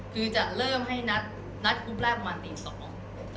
คือจะเริ่มให้นัดขุบแรกประมาณเตียง๒ตอน